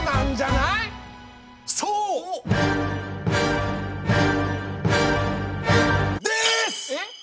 そうです！えっ？